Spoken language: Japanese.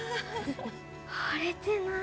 割れてない。